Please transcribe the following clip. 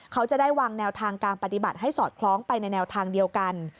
เขาจะได้วางแนวทางการปฏิบัติให้สอดคล้องไปในแนวทางเดียวกัน